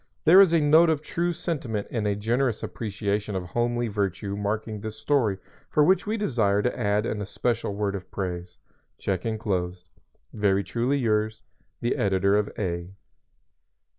There is a note of true sentiment and a generous appreciation of homely virtue marking this story for which we desire to add an especial word of praise. Check enclosed._ _"Very truly yours, "The Editor of A